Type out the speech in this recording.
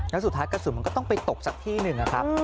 แล้วสุดท้ายกระสุนมันก็ต้องไปตกสักที่หนึ่งนะครับ